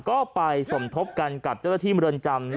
ก็ไปสวมทบกันกับเจ้าที่เมนอินทรุปรักษณ์นี้